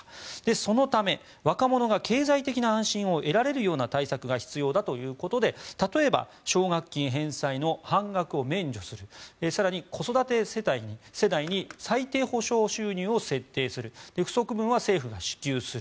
そのため若者が経済的な安心を得られるような対策が必要だということで例えば奨学金返済の半額を免除する更に、子育て世代に最低保障収入を設定する不足分は政府が支給する。